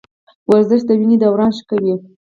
ورزش د وینې دوران ښه کوي.